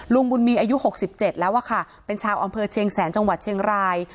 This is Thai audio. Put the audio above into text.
ลุงบุญมีอายุ๖๗แล้วอะค่ะเป็นชาวอำเภอเชียงแสนจังหวัดเชียงราย